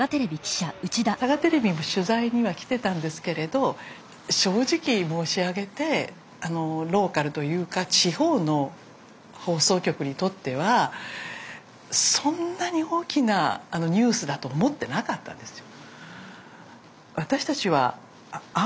サガテレビも取材には来てたんですけれど正直申し上げてローカルというか地方の放送局にとってはそんなに大きなニュースだと思ってなかったんですよ。